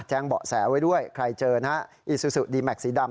เบาะแสไว้ด้วยใครเจอนะฮะอีซูซูดีแม็กซีดำ